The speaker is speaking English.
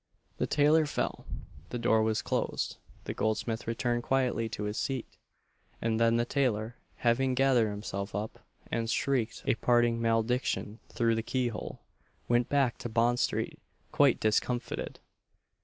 The tailor fell; the door was closed; the goldsmith returned quietly to his seat; and then the tailor having gathered himself up, and shrieked a parting malediction through the key hole went back to Bond street, quite discomfited.